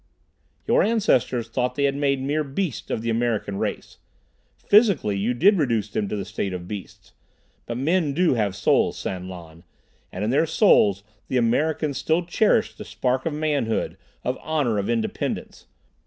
"Your ancestors thought they had made mere beasts of the American race. Physically you did reduce them to the state of beasts. But men do have souls, San Lan, and in their souls the Americans still cherished the spark of manhood, of honor, of independence.